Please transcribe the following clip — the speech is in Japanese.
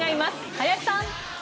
林さん。